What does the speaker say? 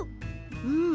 うん。